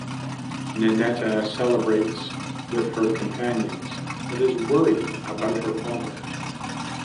Ninetta celebrates with her companions but is worried about her father.